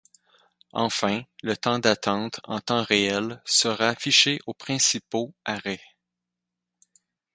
Enfin, le temps d'attente en temps réel sera affiché aux principaux arrêts.